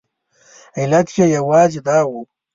علت یې یوازې دا و.